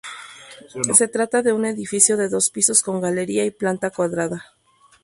Se trata de un edificio de dos pisos con galería y planta cuadrada.